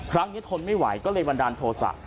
ครั้งนี้ทนไม่ไหวก็เลยวันดันโทษะ